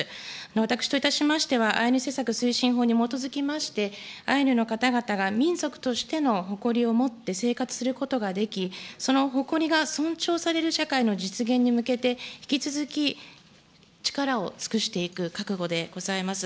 私といたしましては、アイヌ施策推進法に基づきまして、アイヌの方々が民族としての誇りを持って生活することができ、その誇りが尊重される社会の実現に向けて、引き続き力を尽くしていく覚悟でございます。